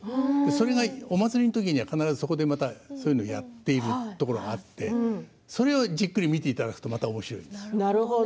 それがお祭りの時には必ずそういうことをやっているところがあってそれをまたじっくり見ていただくとおもしろいです。